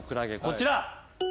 こちら。